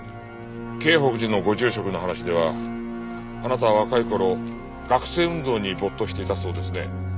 京北寺のご住職の話ではあなたは若い頃学生運動に没頭していたそうですね。